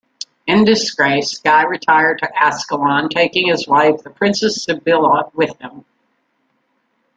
In disgrace, Guy retired to Ascalon, taking his wife the princess Sibylla with him.